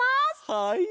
はい！